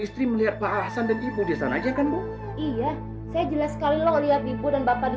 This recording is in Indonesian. istri melihat pak ahsan dan ibu di sana aja kan bu iya saya jelas sekali loh lihat ibu dan bapak di